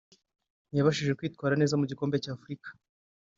ntiyabashije kwitwara neza mu gikombe cy’Afurika